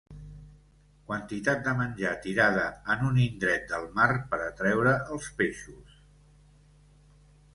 Quantitat de menjar tirada en un indret del mar per atreure els peixos.